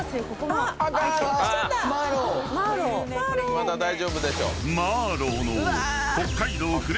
まだ大丈夫でしょ。